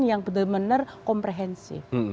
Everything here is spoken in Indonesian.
yang benar benar komprehensif